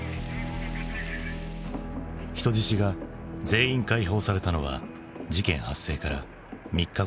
人質が全員解放されたのは事件発生から３日後だった。